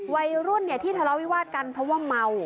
วัยรุ่นที่ทะเลาวิวาสกันเพราะว่าเมา